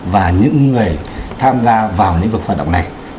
và những người tham gia vào lĩnh vực hoạt động này